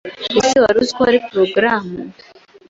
Ese wari uzi ko hari porogaramu